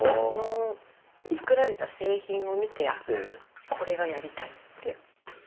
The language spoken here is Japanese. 作られた製品を見てこれがやりたい！って。